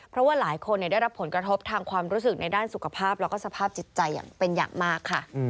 เพราะว่าหลายคนได้รับผลกระทบทางความรู้สึกในด้านสุขภาพแล้วก็สภาพจิตใจอย่างเป็นอย่างมากค่ะ